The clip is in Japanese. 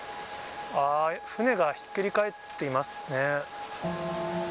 船がひっくり返っていますね。